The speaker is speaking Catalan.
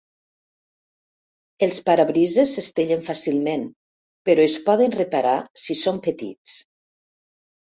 Els parabrises s'estellen fàcilment, però es poden reparar si són petits.